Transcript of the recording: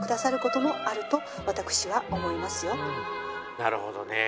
なるほどね。